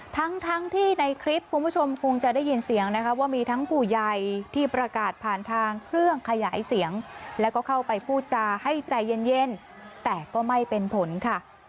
ทั้งทั้งที่ในคลิปคุณผู้ชมคงจะได้ยินเสียงนะคะว่ามีทั้งผู้ใหญ่ที่ประกาศผ่านทางเครื่องขยายเสียงแล้วก็เข้าไปพูดจาให้ใจเย็นแต่ก็ไม่เป็นผลค่ะ